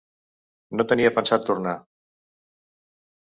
No tenia pensat tornar.